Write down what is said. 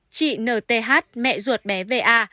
chị nth mẹ ruột bé va